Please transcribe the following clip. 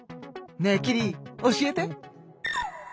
ねえキリ教えて。